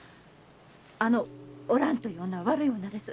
あのお蘭という女は悪い女です。